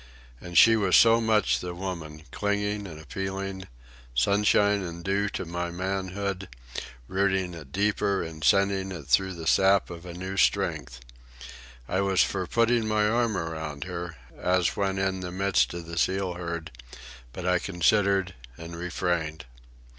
And she was so much the woman, clinging and appealing, sunshine and dew to my manhood, rooting it deeper and sending through it the sap of a new strength. I was for putting my arm around her, as when in the midst of the seal herd; but I considered, and refrained.